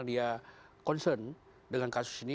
dia concern dengan kasus ini